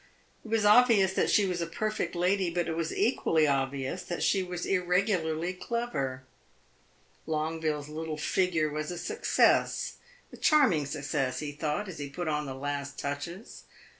It was obvious that she was a perfect lady, but it was equally obvious that she was irregularly clever. Longueville's little figure was a success a charming success, he thought, as he put on the last touches.